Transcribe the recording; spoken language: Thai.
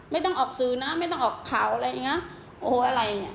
ไม่ต้องออกสื่อนะไม่ต้องออกข่าวอะไรอย่างเงี้ยโอ้โหอะไรเนี่ย